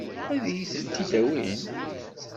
Ad iyi-tent-id-awin?